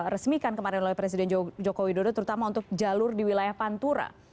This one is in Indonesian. resmikan kemarin oleh presiden joko widodo terutama untuk jalur di wilayah pantura